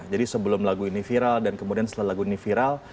jadi sebelum lagu ini viral dan kemudian setelah lagu ini viral